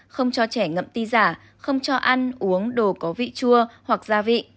không cho trẻ ngậm ti giả không cho ăn uống đồ có vị chua hoặc gia vị